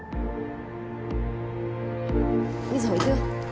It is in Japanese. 瑞穗行くよ。